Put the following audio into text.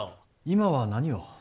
今は何を？